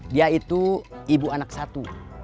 dia itu ibu anak satu